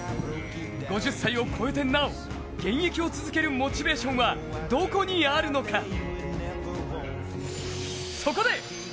５０歳を超えてなお現役を続けるモチベーションはどこにあるのか。